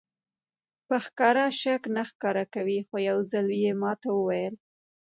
په ښکاره شک نه ښکاره کوي خو یو ځل یې ماته وویل.